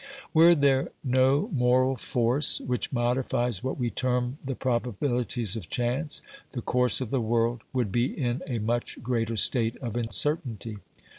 Were there no moral force which modifies what we term the probabilities of chance, the course of the world would be in a much greater state of uncertainty.